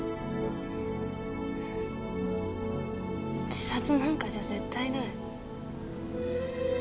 自殺なんかじゃ絶対ない。